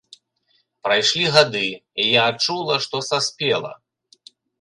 Прайшлі гады, і я адчула, што саспела.